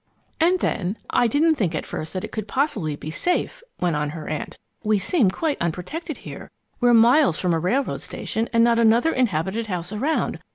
"And then, I didn't think at first that it could possibly be safe!" went on her aunt. "We seem quite unprotected here we're miles from a railroad station, and not another inhabited house around.